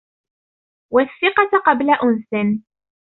وَالثِّقَةَ قَبْلَ أُنْسٍ